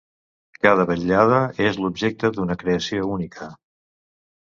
Cada vetllada és l'objecte d'una creació única.